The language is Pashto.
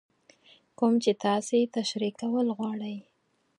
کوم چې تاسې تشرېح کول غواړئ.